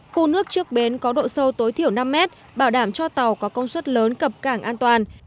khu nước trước bến có độ sâu tối thiểu năm mét bảo đảm cho tàu có công suất lớn cập cảng an toàn